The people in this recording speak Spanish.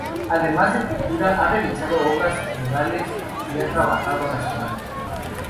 Además de pintura, ha realizado obras murales y ha trabajado la cerámica.